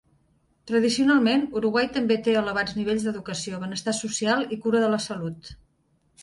Tradicionalment, Uruguai també té elevats nivells d'educació, benestar social i cura de la salut.